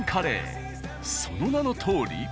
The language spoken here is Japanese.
［その名のとおり］